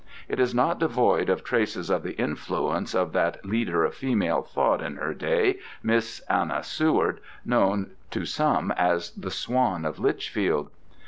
It is not devoid of traces of the influence of that leader of female thought in her day, Miss Anna Seward, known to some as the Swan of Lichfield.